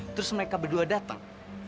terus mereka berdua datang